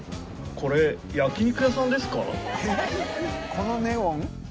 このネオン？